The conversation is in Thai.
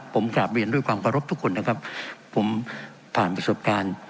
ผมกราบเรียนด้วยความขอรบทุกคนนะครับผมผ่านประสบการณ์